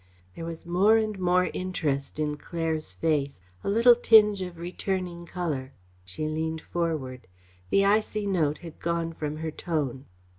There was more and more interest in Claire's face, a little tinge of returning colour. She leaned forward. The icy note had gone from her tone.